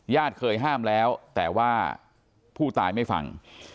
เคยห้ามแล้วแต่ว่าผู้ตายไม่ฟัง